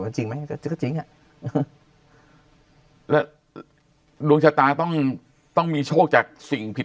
มันจริงไหมก็จริงอ่ะแล้วดวงชะตาต้องต้องมีโชคจากสิ่งผิด